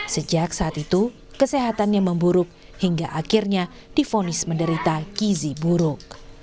sejak saat itu kesehatannya memburuk hingga akhirnya difonis menderita gizi buruk